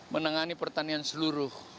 menangani pertanian seluruh